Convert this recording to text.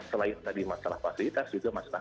selain tadi masalah fasilitas juga masalah